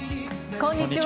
こんにちは。